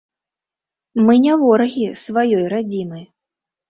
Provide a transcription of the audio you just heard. Мы не ворагі сваёй радзімы.